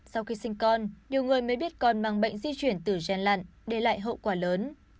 sau khi sinh con nhiều người mới biết con mang bệnh di chuyển từ gen lặn để lại hậu quả lớn